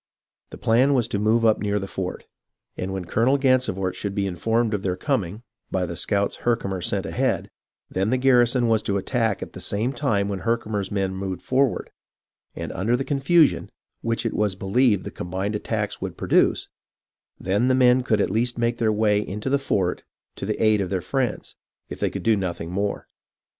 The plan was to move up near the fort, and when Colonel Gansevoort should be informed of their coming, by the scouts Herkimer sent ahead, then the garrison was to attack at the same time when Herkimer's men moved forward ; and under the confusion, which it was believed the combined attacks would produce, then the men could at least make their way into the fort to the aid of their friends, if they could do nothing more.